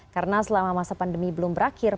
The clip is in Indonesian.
karena selama masa pandemi belum berakhir